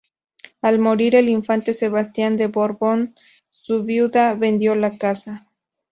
Al morir el infante Sebastián de Borbón, su viuda vendió la casa.